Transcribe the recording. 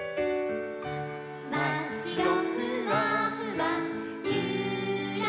「まっしろふわふわゆーらゆらら」